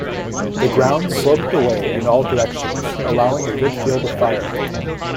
The ground sloped away in all directions, allowing a good field of fire.